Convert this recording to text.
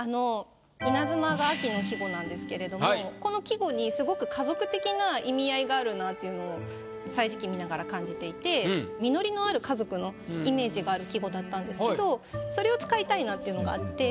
「稲妻」が秋の季語なんですけれどもこの季語にすごくあるなっていうのを歳時記見ながら感じていてある季語だったんですけどそれを使いたいなっていうのがあって。